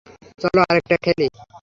চলো, আরেকটা খেলি।